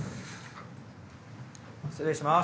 失礼します！